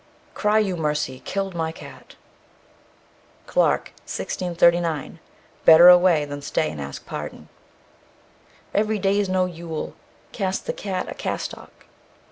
Cry you mercy, killed my cat. CLARKE, 1639. Better away, than stay and ask pardon. _Every day's no yule; cast the cat a castock.